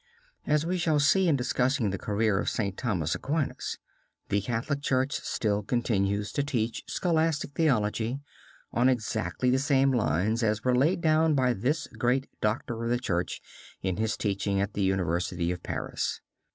As we shall see in discussing the career of Saint Thomas Aquinas, the Catholic Church still continues to teach scholastic theology on exactly the same lines as were laid down by this great doctor of the church in his teaching at the University of Paris.